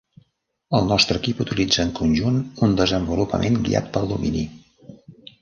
El nostre equip utilitza en conjunt un desenvolupament guiat pel domini.